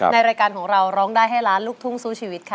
รายการของเราร้องได้ให้ล้านลูกทุ่งสู้ชีวิตค่ะ